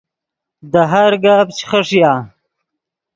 دے ہر گپ چے خݰیا